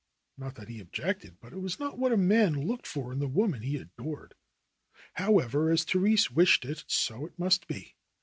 Not that he objected, but it was not what a man looked for in the woman he adored. However, as Therese wished it so it must be.